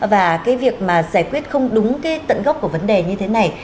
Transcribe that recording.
và cái việc mà giải quyết không đúng cái tận gốc của vấn đề như thế này